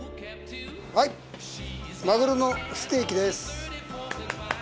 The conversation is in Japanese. はいマグロのステーキです。